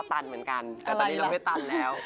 ตันเหมือนกันแต่ตอนนี้ลงได้ตันแล้ว